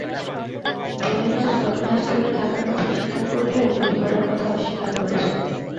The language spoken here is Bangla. ব্রুইনস ঘটনাস্থলে থাকার কথা স্বীকার করলেও গুলি করার কথা অস্বীকার করেছেন।